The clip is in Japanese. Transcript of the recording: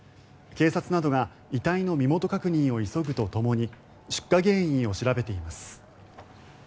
警察などが遺体の身元確認を急ぐとともに出火原因を調べています。